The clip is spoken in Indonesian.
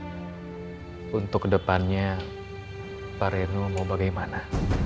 pak reno untuk kedepannya pak reno mau bagaimana